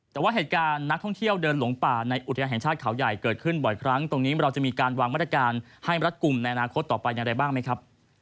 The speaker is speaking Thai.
แต่ว่าเหตุการณ์นักท่องเที่ยวเดินหลงป่าในอุทยานแห่งชาติเขาใหญ่เกิดขึ้นบ่อยครั้งตรงนี้เราจะมีการวางมาตรการให้รัฐกลุ่มในอนาคตต่อไปอย่างไรบ้างไหมครับ